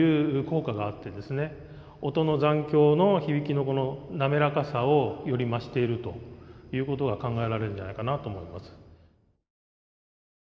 音の残響の響きの滑らかさをより増しているということが考えられるんじゃないかなと思います。